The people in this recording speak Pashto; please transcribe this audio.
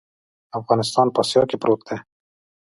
افغانستان په اسیا کې پروت دی.